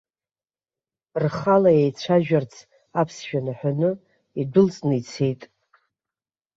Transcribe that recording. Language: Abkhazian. Рхала еицәажәарц, аԥсшәа наҳәаны, идәылҵны ицеит.